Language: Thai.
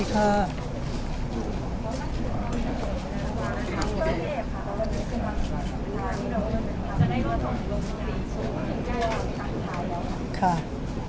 ครับ